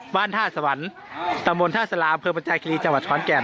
บ้านท่าสวรรค์ตะมนต์ท่าสลาอำเภอประชาคีรีจังหวัดขอนแก่น